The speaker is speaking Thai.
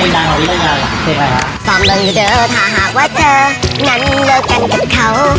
เล่นได้เหรอเล่นได้